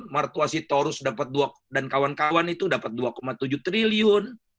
martuasitorus dapet dua dan kawan kawan itu dapet dua tujuh triliun